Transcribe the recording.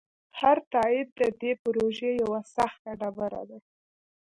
هر تایید د دې پروژې یوه سخته ډبره ده.